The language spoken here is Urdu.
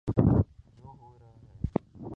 جو ہو رہا ہے۔